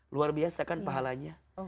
luar biasa kan pahalanya